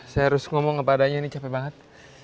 saya harus ngomong apa adanya ini capek banget